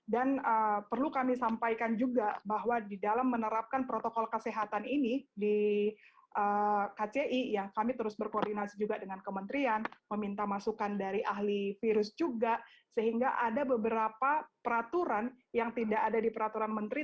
dan perlu kami sampaikan juga bahwa di dalam menerapkan protokol kesehatan ini di kci yang kami terus berkoordinasi juga dengan kementerian meminta masukan dari ahli virus juga sehingga ada beberapa peraturan yang tidak ada di peraturan menteri